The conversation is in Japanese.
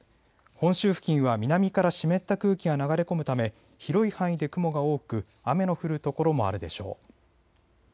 本州付近は南から湿った空気が流れ込むため広い範囲で雲が多く雨の降る所もあるでしょう。